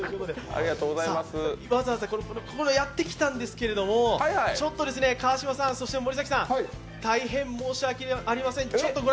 わざわざここにやってきたんですけれどもちょっと川島さん、そして森崎さん大変申し訳ありません。